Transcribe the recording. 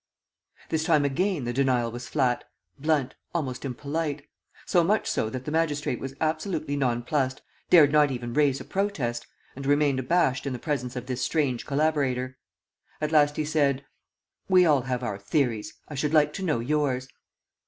This time, again, the denial was flat, blunt, almost impolite; so much so that the magistrate was absolutely nonplussed, dared not even raise a protest, and remained abashed in the presence of this strange collaborator. At last he said: "We all have our theories. I should like to know yours."